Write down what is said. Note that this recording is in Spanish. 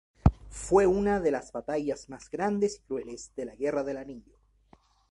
Fue una de las batallas más grandes y crueles de la Guerra del Anillo.